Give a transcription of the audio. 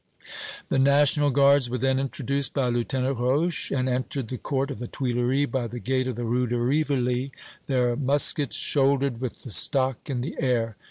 The National Guards were then introduced by Lieutenant Roche, and entered the court of the Tuileries by the gate of the Rue de Rivoli, their muskets shouldered, with the stock in the air.